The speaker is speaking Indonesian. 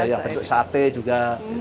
yang bentuk sate juga